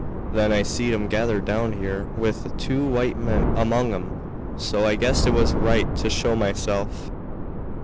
Then I seed 'em gathered down here, with two white men among 'em, so I guessed it was right to show myself."